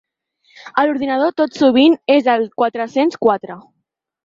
A l'ordinador tot sovint és el quatre-cents quatre.